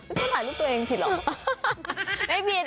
แม่ถ่ายรูปตัวเองผิดเหรอ